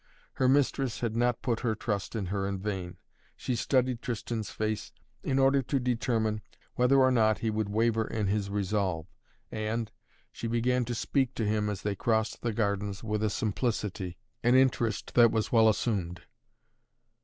Her mistress had not put her trust in her in vain. She studied Tristan's race in order to determine, whether or not he would waver in his resolve and she began to speak to him as they crossed the gardens with a simplicity, an interest that was well assumed.